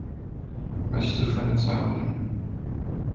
Ma stufan, ad tt-ɛawnen.